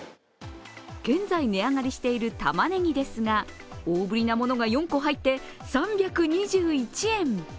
現在値上がりしているたまねぎですが大ぶりなものが４個入って３２１円。